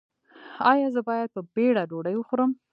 ایا زه باید په بیړه ډوډۍ وخورم؟